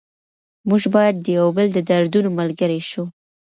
موږ باید د یو بل د دردونو ملګري شو.